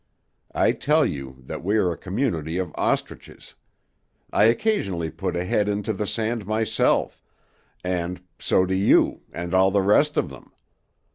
I tell you that we are a community of ostriches; I occasionally put a head into the sand myself, and so do you and all the rest of them.